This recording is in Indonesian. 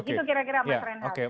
begitu kira kira mas renhal